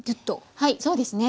はいそうですね。